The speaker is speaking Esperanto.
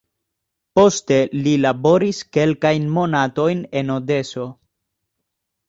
Poste li laboris kelkajn monatojn en Odeso.